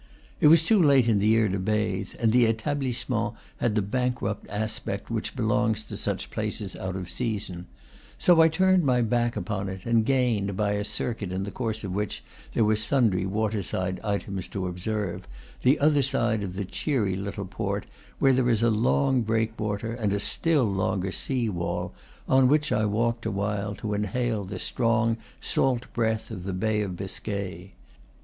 It was too late in the year to bathe, and the Etablissement had the bank rupt aspect which belongs to such places out of the season; so I turned my back upon it, and gained, by a circuit in the course of which there were sundry water side items to observe, the other side of the cheery little port, where there is a long breakwater and a still longer sea wall, on which I walked awhile, to inhale the strong, salt breath of the Bay of Biscay.